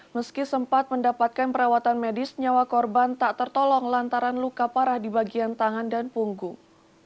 meski sempat mendapatkan perawatan medis nyawa korban tak tertolong lantaran luka parah di bagian tangan dan punggung